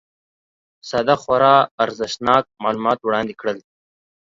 ساده خورا ارزښتناک معلومات وړاندي کړل